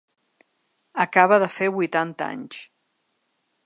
Acaba de fer vuitanta anys.